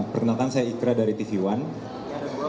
perkenalkan saya ikra dari tv one